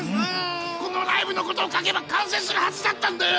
このライブの事を書けば完成するはずだったんだよ！